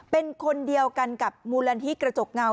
เป็นคนเดียวกันกับมูลนิธิกระจกเงา